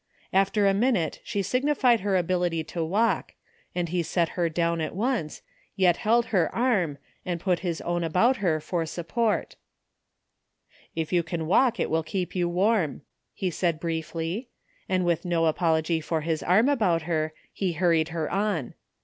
After a thinute she signified her ability to walk, and he set her down at once, yet held her arm and put his own about her for support " If you can walk it will keep you warm," he said briefly ; and with no apology for Ihis arm about her he hiuried her on.